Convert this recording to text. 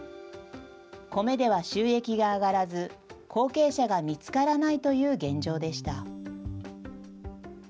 米では収益が上がらず、後継者が見つからないという現状でした。